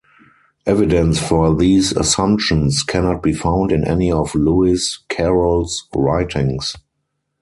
Evidence for these assumptions cannot be found in any of Lewis Carroll's writings.